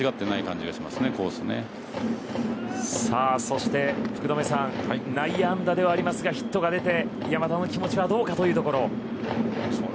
そして、福留さん内野安打ではありますがヒットが出て山田の気持ちはどうかというところ。